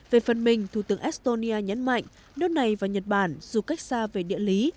về phần mình thủ tướng estonia nhấn mạnh nước này và nhật bản dù cách xa về địa lý